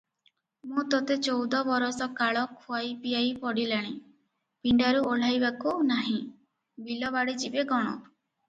"ମୁଁ ତୋତେ ଚଉଦ ବରଷ କାଳ ଖୁଆଇ ପିଆଇ ପଡ଼ିଲାଣି, ପିଣ୍ଡାରୁ ଓହ୍ଲାଇବାକୁ ନାହିଁ, ବିଲବାଡ଼ି ଯିବେ କଣ?